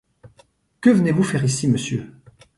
Que venez-vous faire ici, monsieur ?